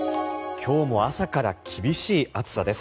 今日も朝から厳しい暑さです。